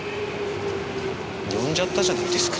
呼んじゃったじゃないですか。